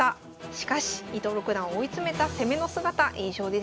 しかし伊藤六段を追い詰めた攻めの姿印象的でした。